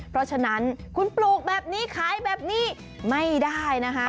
เพราะฉะนั้นคุณปลูกแบบนี้ขายแบบนี้ไม่ได้นะคะ